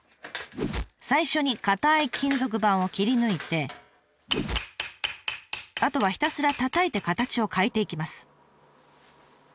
最初に硬い金属板を切り抜いてあとはひたすらたたいて形を変えていきます。